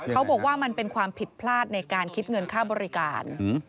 เขาบอกว่ามันเป็นความผิดพลาดในการคิดเงินค่าบริการ